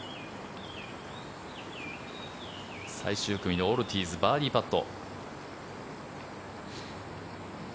最終組のオルティーズバーディーパット。